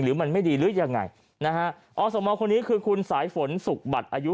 หรือมันไม่ดีหรือยังไงนะฮะอสมคนนี้คือคุณสายฝนสุขบัตรอายุ